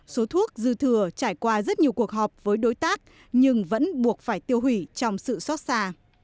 số thuốc dư thừa trải qua rất nhiều cuộc họp với đối tác nhưng vẫn buộc phải tiêu hủy trong sự xót xa